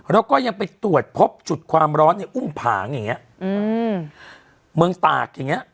แล้วก็ยังไปตรวจพบจุดความร้อนในอุ้มผางอย่างเงี้ยอืมเมืองตากอย่างเงี้